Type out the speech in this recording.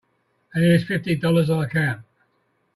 And here's fifty dollars on account.